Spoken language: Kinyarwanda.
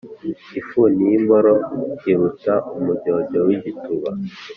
ifuni y’imboro iruta umujyojyo w’igituba.